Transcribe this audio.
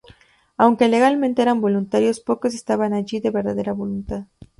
Aunque legalmente eran voluntarios, pocos estaban allí de verdadera voluntad.